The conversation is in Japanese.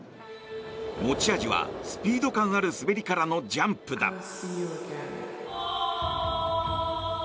持ち味はスピード感ある滑りからのジャンプだ。